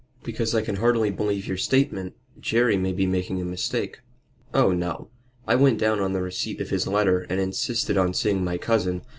"Because I can hardy believe your statement. Jerry may be making a mistake." "Oh no. I went down on the receipt of his letter, and insisted on seeing my cousin.